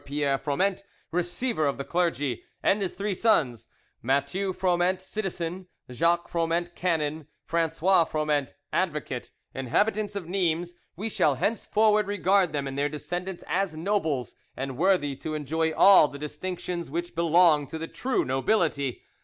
Pierre Froment, receiver of the clergy, and his three sons, Mathieu Froment citizen, Jacques Froment canon, Francois Froment advocate, inhabitants of Nimes, we shall henceforward regard them and their descendants as nobles and worthy to enjoy all the distinctions which belong to the true nobility.